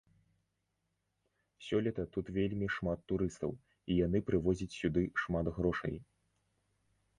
Сёлета тут вельмі шмат турыстаў, і яны прывозяць сюды шмат грошай.